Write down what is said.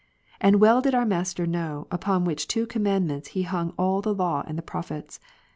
And well did our Master know, upon which two Matt. commandments He hung all the Law and the Prophets.